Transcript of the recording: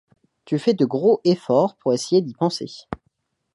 Tu fais de gros efforts pour essayer d’y penser.